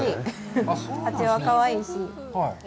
蜂はかわいいし。